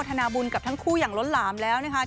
ธนาบุญกับทั้งคู่อย่างล้นหลามแล้วนะคะ